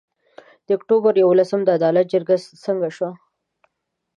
د اُکټوبر یولسمه د عدالت جرګه څنګه سوه؟